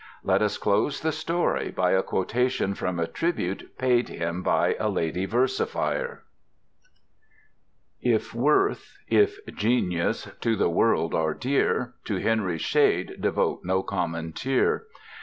Let us close the story by a quotation from a tribute paid him by a lady versifier: If worth, if genius, to the world are dear, To Henry's shade devote no common tear.